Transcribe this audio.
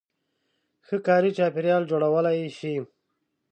-ښه کاري چاپېریال جوړولای شئ